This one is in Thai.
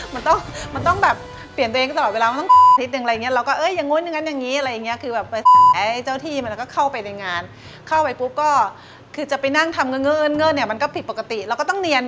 มันต้องมันต้องแบบเปลี่ยนตัวเองตลอดเวลามันต้องนิดหนึ่งอะไรอย่างเงี้ยเราก็เอ้ยอย่างนู้นอย่างงั้นอย่างงี้อะไรอย่างเงี้ย